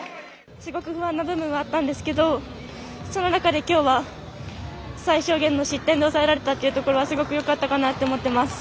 すごく不安な部分はあったんですけどその中で、きょうは最小限の失点で抑えられたというところはすごくよかったかなと思っています。